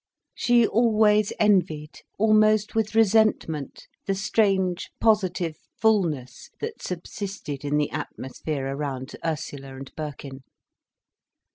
She always envied, almost with resentment, the strange positive fullness that subsisted in the atmosphere around Ursula and Birkin.